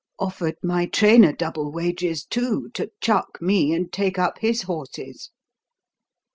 Offered my trainer double wages, too, to chuck me and take up his horses."